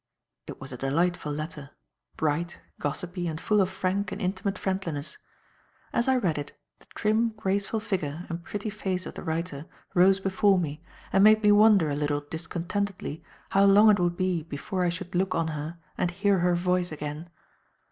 It was a delightful letter; bright, gossipy and full of frank and intimate friendliness. As I read it, the trim, graceful figure and pretty face of the writer rose before me and made me wonder a little discontentedly how long it would be before I should look on her and hear her voice again.